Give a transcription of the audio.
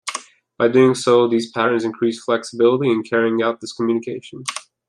By doing so, these patterns increase flexibility in carrying out this communication.